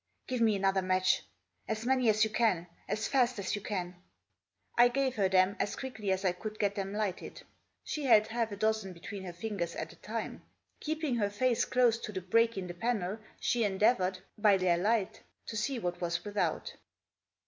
" Give me another match ; as many as you can ; as fast as you can !" I gave her them as quickly as I could get them lighted. She held half a dozen between her fingers at at a time. Keeping her face close to the break in the panel she endeavoured, by their light, to see what was without.